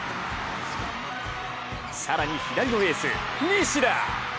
更に、左のエース・西田！